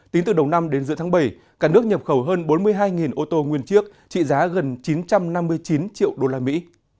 tính từ đầu năm đến giữa tháng bảy cả nước nhập khẩu hơn bốn mươi hai ô tô nguyên chiếc trị giá gần chín trăm năm mươi chín triệu đô la mỹ